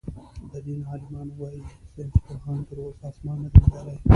د دين عالمان وايي ساينسپوهانو تر اوسه آسمان نۀ دئ ليدلی.